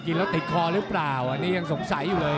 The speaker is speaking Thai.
แล้วติดคอหรือเปล่าอันนี้ยังสงสัยอยู่เลย